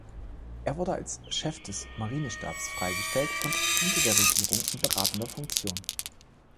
Er wurde als Chef des Marinestabs freigestellt und diente der Regierung in beratender Funktion.